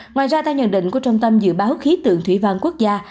ngoài ra theo nhận định của trung tâm dự báo khí tượng thủy văn quốc gia